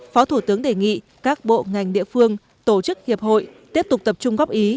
phó thủ tướng đề nghị các bộ ngành địa phương tổ chức hiệp hội tiếp tục tập trung góp ý